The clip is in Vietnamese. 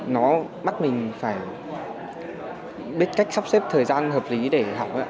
nó bắt mình phải biết cách sắp xếp thời gian hợp lý để học